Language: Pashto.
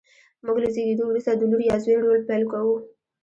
موږ له زېږېدو وروسته د لور یا زوی رول پیل کوو.